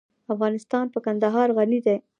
افغانستان په کندهار غني دی.